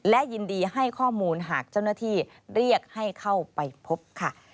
และยินดีให้ข้อมูลหากเจ้าหน้าที่เรียกให้เข้าไปพบค่ะ